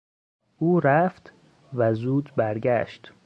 او رفت و زود برگشت.